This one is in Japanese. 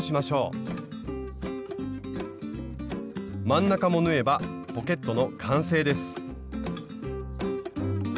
真ん中も縫えばポケットの完成です